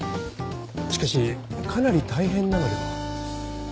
しかしかなり大変なのでは？